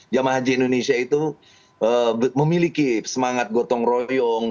jemaah haji indonesia itu memiliki semangat gotong royong